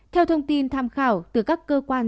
theo thông tin tham khảo từ các cơ quan